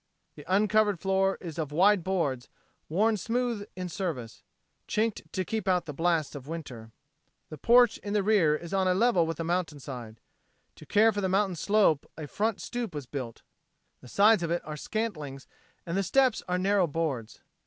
The uncovered floor is of wide boards, worn smooth in service, chinked to keep out the blasts of winter. The porch in the rear is on a level with the mountainside. To care for the mountain's slope a front stoop was built. The sides of it are scantlings and the steps are narrow boards.